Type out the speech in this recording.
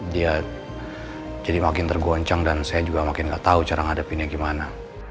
dia jadi makin tergoncang dan saya juga makin nggak tahu cara ngadepinnya gimana